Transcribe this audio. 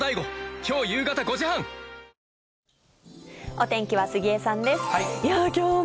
お天気は、杉江さんです。